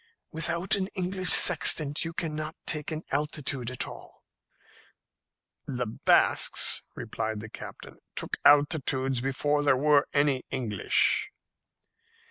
"Without an English sextant you cannot take an altitude at all." "The Basques," replied the captain, "took altitudes before there were any English."